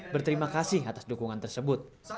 berterima kasih atas dukungan tersebut